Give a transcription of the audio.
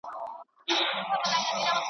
تا پخپله جواب کړي وسیلې دي.